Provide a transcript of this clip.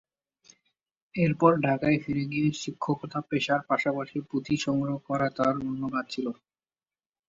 এরপর ঢাকায় ফিরে গিয়ে শিক্ষকতা পেশার পাশাপাশি পুঁথি সংগ্রহ করা তাঁর অন্য কাজ ছিল।